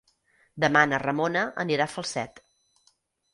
Demà na Ramona anirà a Falset.